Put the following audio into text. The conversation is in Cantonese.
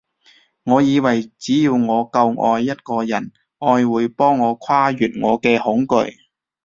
我以為只要我夠愛一個人，愛會幫我跨越我嘅恐懼